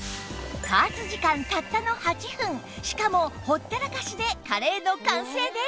加圧時間たったの８分しかもほったらかしでカレーの完成です！